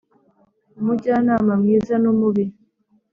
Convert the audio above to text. Umujyanama mwiza n’umubi